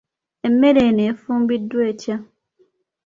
Emmere eno efumbiddwa etya?